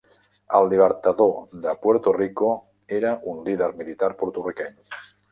El Libertador de Puerto Rico, era un líder militar porto-riqueny.